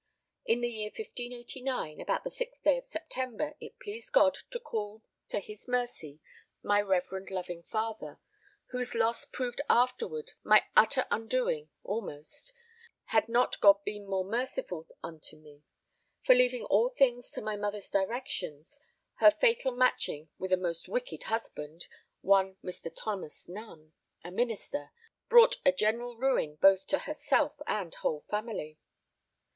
In the year 1589, about the 6th day of September, it pleased God to call to his mercy my reverend loving father, whose loss proved afterward my utter undoing almost, had not God been more merciful unto me; for leaving all things to my mother's directions, her fatal matching with a most wicked husband, one Mr. Thomas Nunn, a Minister, brought a general ruin both to herself and whole family.